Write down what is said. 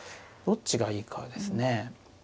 どっちがいいかですね。